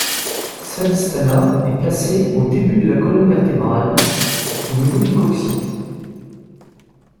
Svādhiṣṭhāna est placé au début de la colonne vertébrale, au niveau du coccyx.